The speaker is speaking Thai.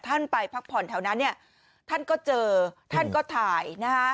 ท่านไปพักผ่อนแถวนั้นเนี่ยท่านก็เจอท่านก็ถ่ายนะฮะ